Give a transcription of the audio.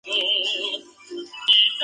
Sí, Él llama a las mujeres.